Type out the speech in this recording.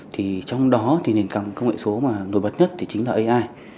thì trong đó thì nền công nghệ số mà nổi bật nhất thì chính là ai